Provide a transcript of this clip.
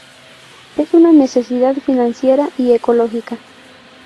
Es una necesidad financiera y ecológica".